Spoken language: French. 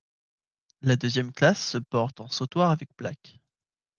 La deuxième classe se porte en sautoir avec plaque.